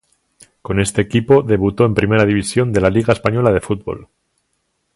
Con este equipo debutó en Primera división de la liga española de fútbol.